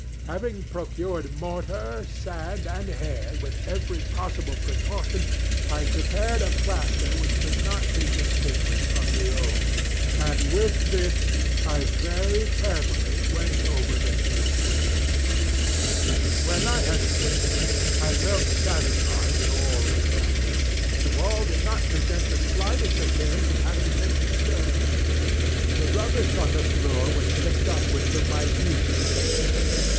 Having procured mortar, sand, and hair, with every possible precaution, I prepared a plaster which could not be distinguished from the old, and with this I very carefully went over the new brickwork. When I had finished, I felt satisfied that all was right. The wall did not present the slightest appearance of having been disturbed. The rubbish on the floor was picked up with the minutest care.